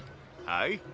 はい。